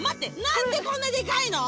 何でこんなでかいの？